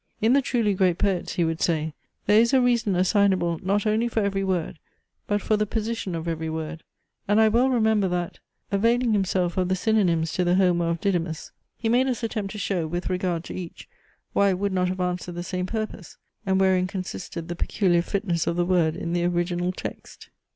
In the truly great poets, he would say, there is a reason assignable, not only for every word, but for the position of every word; and I well remember that, availing himself of the synonymes to the Homer of Didymus, he made us attempt to show, with regard to each, why it would not have answered the same purpose; and wherein consisted the peculiar fitness of the word in the original text.